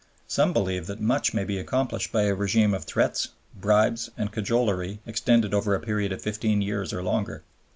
Some believe that much may be accomplished by a rÈgime of threats, bribes, and cajolery extended over a period of fifteen years or longer.